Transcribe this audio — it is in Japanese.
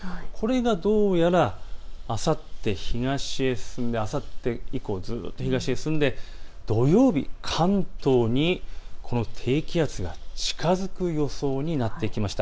どうやらこれが、あさって東へ進んであさって以降、ずっと進んで土曜日、関東にこの低気圧が近づく予想になってきました。